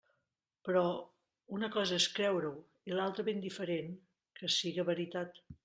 Però... una cosa és creure-ho, i l'altra ben diferent que siga veritat!